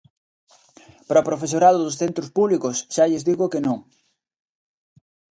Para o profesorado dos centros públicos xa lles digo que non.